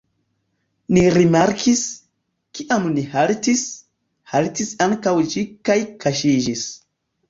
Ni rimarkis: kiam ni haltis, haltis ankaŭ ĝi kaj kaŝiĝis.